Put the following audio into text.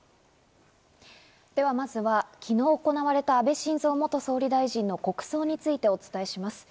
では、まずは昨日行われた、安倍晋三元総理大事の国葬についてお伝えします。